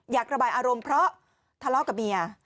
อยากระบายอารมณ์เพราะทะเลาะกับเมีย